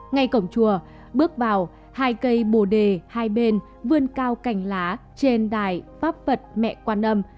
ngay cổng chùa bước vào hai cây bồ đề hai bên vươn cao cành lá trên đài pháp phật mẹ quan âm